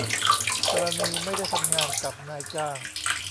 กรณีไม่ได้ทำงานกับนายจ้าง